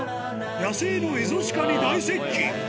野生のエゾシカに大接近。